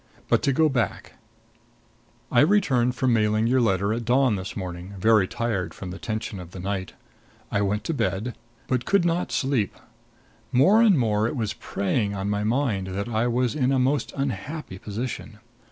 But to go back: I returned from mailing your letter at dawn this morning, very tired from the tension of the night. I went to bed, but could not sleep. More and more it was preying on my mind that I was in a most unhappy position.